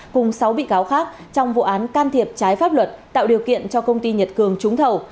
cùng sáu bị cáo khác trong vụ án can thiệp trái pháp luật tạo điều kiện cho công ty nhật cường trúng thầu